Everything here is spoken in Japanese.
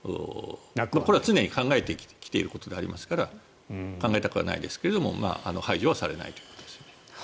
これは常に考えてきていることではありますから考えたくはないですが排除はされないと。